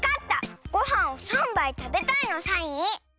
ごはんを３ばいたべたいのサイン！